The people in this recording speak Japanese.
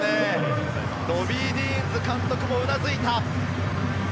ロビー・ディーンズ監督もうなずいた。